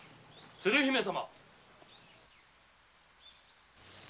鶴姫様